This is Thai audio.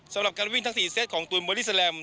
สำหรับการวิ่งทั้ง๔เซ็ตของตุลบอลิสาลัม